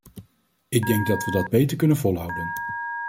Ik denk dat we dat beter kunnen volhouden.